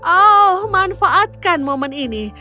oh manfaatkan momen ini